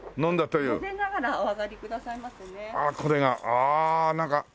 ああなんか。